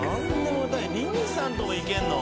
りみさんともいけんの。